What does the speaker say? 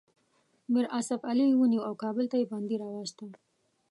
میر آصف علي یې ونیو او کابل ته یې بندي راووست.